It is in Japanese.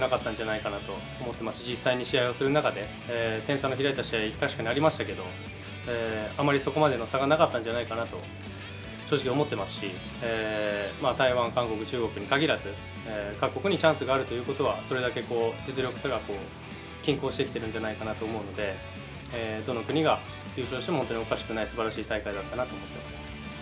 どの国が勝ってもおかしくなかったんじゃないかなと思ってますし、実際に試合をする中で、点差の開いた試合、確かにありましたけど、あまりそこまでの差がなかったんじゃないかなと、正直思ってますし、台湾、韓国、中国に限らず、各国にチャンスがあるということは、それだけこう、実力差が均衡してきてるんじゃないかなと思うので、どの国が優勝しても全然おかしくない、すばらしい大会だったなという印象です。